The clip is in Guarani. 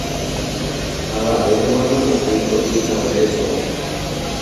Avave nomanomo'ãi ndo'uihaguére so'o.